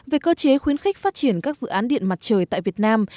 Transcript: về cơ chế khuyến khích phát triển các dự án điện mặt trời tại việt nam